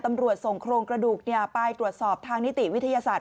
ตำรวจส่งโครงกระดูกไปตรวจสอบทางนิติวิทยาศาสต